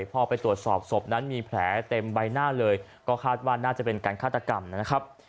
พอไปตรวจสอบศพนั้นมีแผลเต็มใบหน้าเลยก็คาดว่าน่าจะเป็นการฆาตกรรมนะครับ